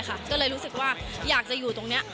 ก็เลยรู้สึกว่าอยากจะอยู่ตรงนี้